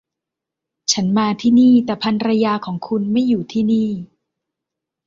ฉันมาที่นี่ แต่ภรรยาของคุณไม่อยู่ที่นี่